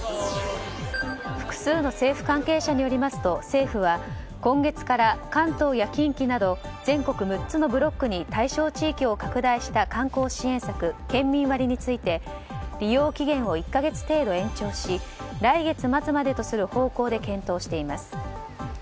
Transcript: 複数の政府関係者によりますと政府は今月から関東や近畿など全国６つのブロックに対象地域を拡大した観光支援策、県民割について利用期限を１か月程度延長し来月末までとする方向で検討しています。